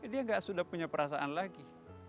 dia nggak sudah punya perasaan lagi